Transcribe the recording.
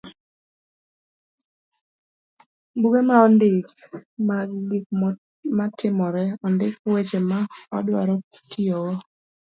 buge ma ondik mag gik matimore, ondik weche ma wadwaro tiyogo.